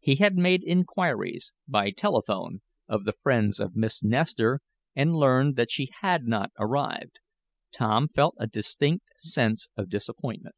He had made inquiries, by telephone, of the friends of Miss Nestor, and learned that she had not arrived. Tom felt a distinct sense of disappointment.